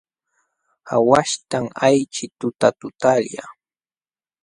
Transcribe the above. Aawaśhtam ayćhin tutatutalla.